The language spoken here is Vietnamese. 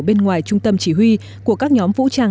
bên ngoài trung tâm chỉ huy của các nhóm vũ trang